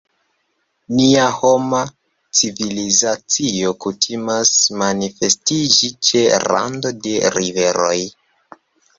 Nia homa civilizacio kutimas manifestiĝi ĉe rando de riveroj.